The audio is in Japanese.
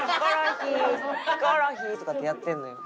「ヒコロヒー！」とかってやってんのよ。